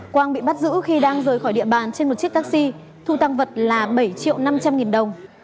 quang bị bắt giữ khi đang rời khỏi địa bàn trên một chiếc taxi thu tăng vật là bảy triệu năm trăm linh nghìn đồng